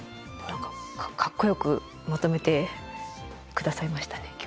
何かかっこよくまとめて下さいましたね